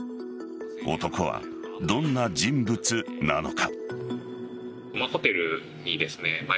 男はどんな人物なのか。